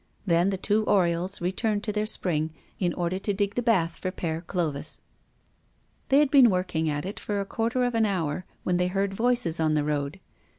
Then, the two Oriols returned to their spring, in order to dig the bath for Père Clovis. They had been working at it for a quarter of an hour, when they heard voices on the road.